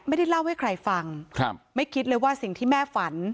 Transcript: ไม่ได้เล่าให้ใครฟังครับไม่คิดเลยว่าสิ่งที่แม่ฝัน